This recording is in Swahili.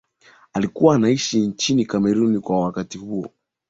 alikuwa anaishi nchini Kameruni kwa wakati huo